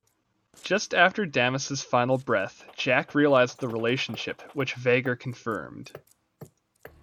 Just after Damas' final breath, Jak realized the relationship, which Veger confirmed.